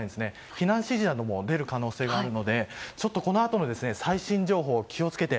避難指示なども出る可能性があるのでちょっとこのあとの最新情報に気を付けて。